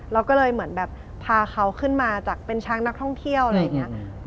เราก็เลยเหมือนแบบพาเขาขึ้นมาจากเป็นช้างนักท่องเที่ยวอะไรอย่างนี้